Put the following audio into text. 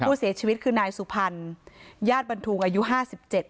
ผู้เสียชีวิตคือนายสุพรรณญาติบันทุงอายุห้าสิบเจ็ด